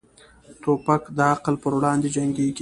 توپک د عقل پر وړاندې جنګيږي.